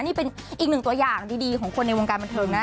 นี่เป็นอีกหนึ่งตัวอย่างดีของคนในวงการบันเทิงนะ